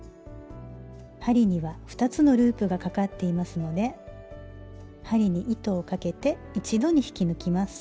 針には２つのループがかかっていますので針に糸をかけて一度に引き抜きます。